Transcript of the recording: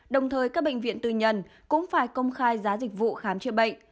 đồng thời các bệnh viện tư nhân cũng phải công khai giá dịch vụ khám chữa bệnh